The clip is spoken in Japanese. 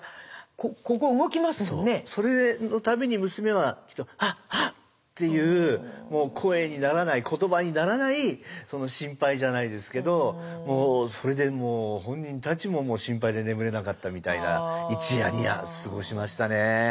それの度に娘は「はっはっ」ていう声にならない言葉にならない心配じゃないですけどそれでもう本人たちも心配で眠れなかったみたいな一夜二夜過ごしましたね。